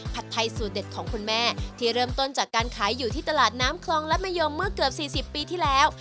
ไทยสูตรเด็ดของคุณแม่ที่เริ่มต้นจากการขายอยู่ที่ตลาดน้ำคลองรัฐมะยมเมื่อเกือบ๔๐ปีที่แล้ว